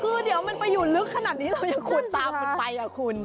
คือเดี๋ยวมันไปอยู่ลึกขนาดนี้เรายังขุดตามมันไปอ่ะคุณ